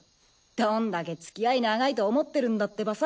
どんだけ付き合い長いと思ってるんだってばさ。